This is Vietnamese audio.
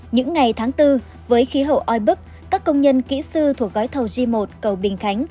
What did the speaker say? những ngày tháng bốn với khí hậu oi bức các công nhân kỹ sư thuộc gói thầu g một cầu bình khánh